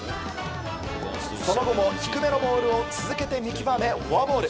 その後も低めのボールを続けて見極めフォアボール。